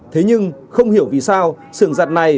thế nhưng không hiểu vì sao sưởng giặt này